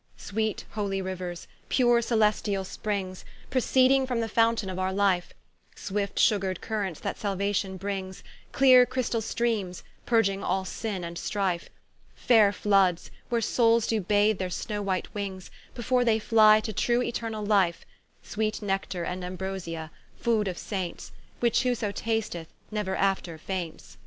Sweet holy riuers, pure celestiall springs, Proceeding from the fountaine of our life; Swift sugred currents that saluation brings, Cleare christall streames, purging all sinne and strife, Faire floods, where souls do bathe their snow white wings, Before they flie to true eter[nall] life: Sweet Nectar and Ambrosia, food of Saints, Which, whoso tasteth, neuer after faints.